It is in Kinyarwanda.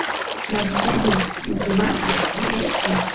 Navuze nti guma ubukorere hano .